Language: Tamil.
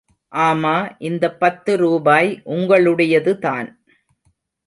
ஆமா இந்த பத்து ரூபாய் உங்களுடையதுதான்.